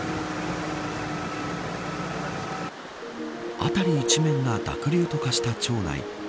辺り一面が濁流と化した町内。